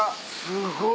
すごい。